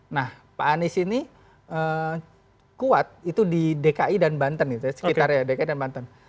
nah pak anies ini kuat itu di dki dan banten gitu ya sekitarnya dki dan banten